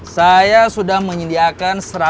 saya sudah menyediakan